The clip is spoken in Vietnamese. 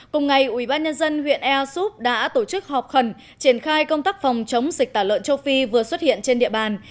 cùng ngày ubnd huyện air soup đã tổ chức họp khẩn triển khai công tác phòng chống dịch tả lợn châu phi vừa xuất hiện trên địa bàn